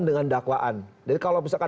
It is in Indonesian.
dengan dakwaan jadi kalau misalkan